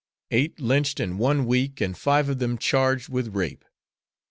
Eight lynched in one week and five of them charged with rape!